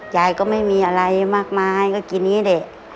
ยายก็ไม่มีอะไรมากมายก็กินอย่างนี้แหละ